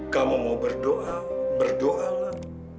kamu mau berdoa berdoalah